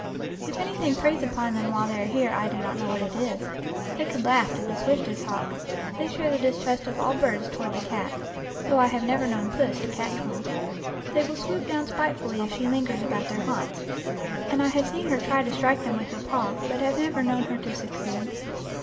If anything preys upon them while they are here I do not know what it is. They could laugh at the swiftest hawk. They share the distrust of all birds toward the cat, though I have never known Puss to catch one. They will swoop down spitefully if she lingers about their haunts, and I have seen her try to strike them with her paw, but have never known her to succeed.